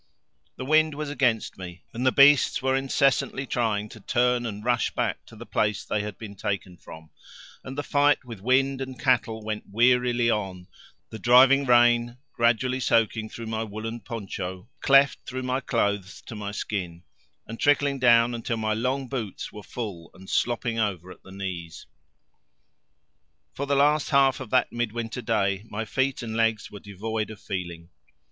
The wind was against me, and the beasts were incessantly trying to turn and rush back to the place they had been taken from, and the fight with wind and cattle went wearily on, the driving rain gradually soaking through my woollen poncho, theft through my clothes to my skin, and trickling down until my long boots were full and slopping over at the knees. For the last half of that midwinter day my feet and legs were devoid of feeling.